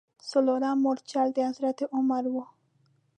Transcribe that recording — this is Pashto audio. څلورم مورچل د حضرت عمر و.